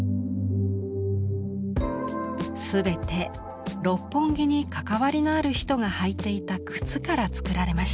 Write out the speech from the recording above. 全て六本木に関わりのある人が履いていた靴からつくられました。